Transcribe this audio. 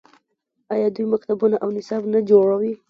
آیا دوی مکتبونه او نصاب نه جوړوي؟